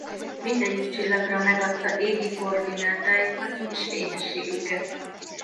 Mindegyik csillagra megadta égi koordinátájukat és fényességüket.